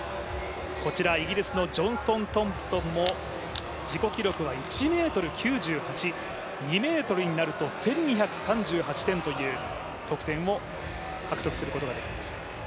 こちらイギリスのジョンソン・トンプソンも自己記録は１ｍ９８、２ｍになると、１２３８点という得点を獲得することができます。